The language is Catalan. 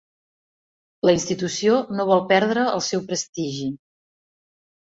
La institució no vol perdre el seu prestigi.